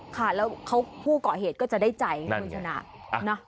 ค่ะแล้วเขาผู้ก่อเหตุก็จะได้จ่ายนั่นไงคุณคุณธนา